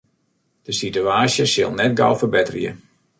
De sitewaasje sil net gau ferbetterje.